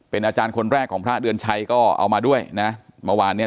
อาจารย์คนแรกของพระเดือนชัยก็เอามาด้วยนะเมื่อวานเนี้ย